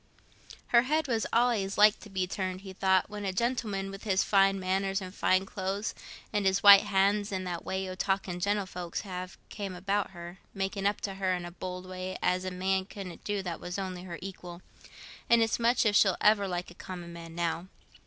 "Her head was allays likely to be turned," he thought, "when a gentleman, with his fine manners, and fine clothes, and his white hands, and that way o' talking gentlefolks have, came about her, making up to her in a bold way, as a man couldn't do that was only her equal; and it's much if she'll ever like a common man now."